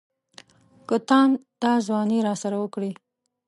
که تاند دا ځواني راسره وکړي.